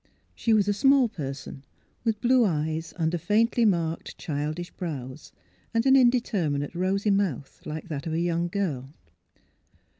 She was a small person, with blue eyes under faintly marked, childish brows, and an indeter minate, rosy mouth, like that of a young girl.